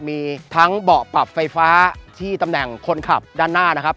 มีทั้งเบาะปรับไฟฟ้าที่ตำแหน่งคนขับด้านหน้านะครับ